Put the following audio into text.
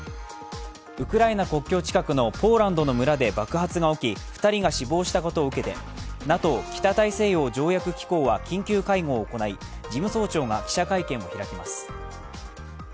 ウクライナ国境近くのポーランドの村で爆発が起き２人が死亡したことを受けてＮＡＴＯ＝北大西洋条約機構は緊急会合を行い、事務総長が記者会見を開きます。